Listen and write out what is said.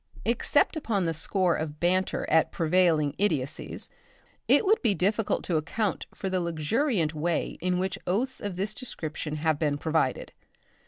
Except upon the score of banter at prevailing idiotcies, it would be difficult to account for the luxuriant way in which oaths of this description have been provided.